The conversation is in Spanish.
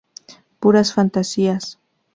Puras fantasías".